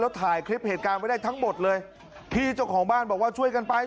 ถ่ายคลิปเหตุการณ์ไว้ได้ทั้งหมดเลยพี่เจ้าของบ้านบอกว่าช่วยกันไป